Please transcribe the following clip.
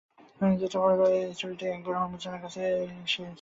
তিনি এই ছুরিটি তিনি একবার হরমুজানের কাছে দেখেছিলেন।